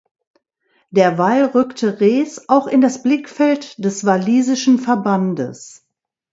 Derweil rückte Rees auch in das Blickfeld des walisischen Verbandes.